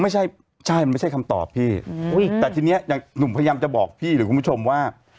ใช่ไม่ใช่คำตอบพี่แต่ทีนี้หนุ่มพยายามจะบอกพี่หรือคุณผู้ชมว่า